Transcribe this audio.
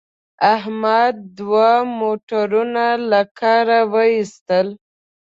احمد دوه موټرونه له کاره و ایستل.